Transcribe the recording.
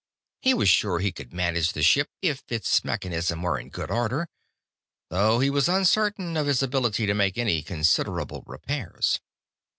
He was sure he could manage the ship if its mechanism were in good order, though he was uncertain of his ability to make any considerable repairs.